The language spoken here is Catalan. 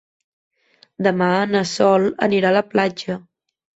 Demà na Sol anirà a la platja.